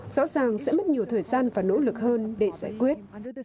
rõ ràng sẽ mất nhiều thời gian và nỗ lực hơn để giải quyết